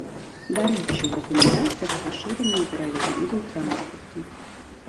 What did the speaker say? Дарэчы, у рэкамендацыях пашыраны і пералік відаў транспарту.